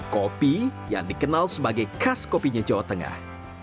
kopi yang dikenal sebagai khas kopinya jawa tengah